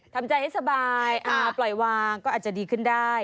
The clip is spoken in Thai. ทำใจให้สบายปล่อยวางก็อาจจะดีขึ้นได้